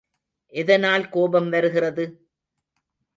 எதனால் கோபம் வருகிறது?